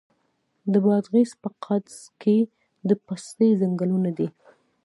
د بادغیس په قادس کې د پستې ځنګلونه دي.